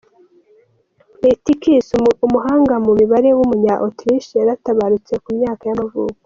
Rheticus, umuhanga mu mibare w’umunya Autriche yaratabarutse, ku myaka y’amavuko.